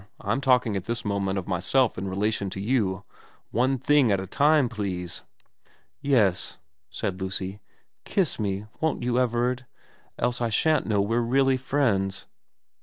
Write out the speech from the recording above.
I'm talking at this moment of myself in relation to you. One thing at a time, please.' ' Yes,' said Lucy. ' Kiss me, won't you, Everard ? Else I shan't know we're really friends.'